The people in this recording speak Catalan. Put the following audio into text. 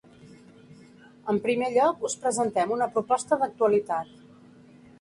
En primer lloc us presentem una proposta d'actualitat.